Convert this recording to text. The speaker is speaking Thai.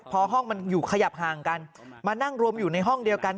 พอห้องมันอยู่ขยับห่างกันมานั่งรวมอยู่ในห้องเดียวกัน